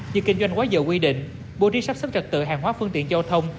như kinh doanh quá giờ quy định bộ đi sắp sắp trật tự hàng hóa phương tiện giao thông